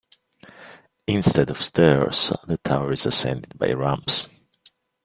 Instead of stairs, the tower is ascended by ramps.